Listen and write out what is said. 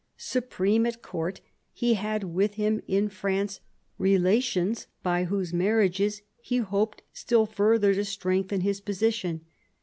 Supreme at court, he had with him in France relations by whose marriages he hoped still further to strengthen his position.